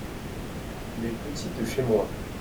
Les petits de chez moi.